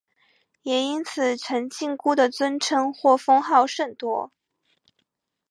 也因此陈靖姑的尊称或封号甚多。